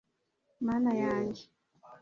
mana yanjye